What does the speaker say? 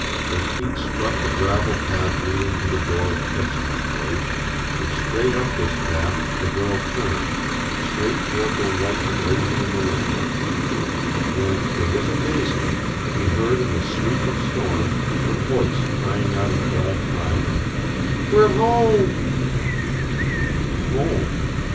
Their feet struck the gravel path leading to the door of Kedsty's place, and straight up this path the girl turned, straight toward the light blazing in the window. Then, to his amazement, he heard in the sweep of storm her voice crying out in glad triumph, "We're home!" Home!